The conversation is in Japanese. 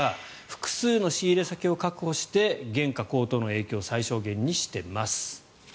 複数の仕入れ先を確保して原価高騰の影響を最小限にしています。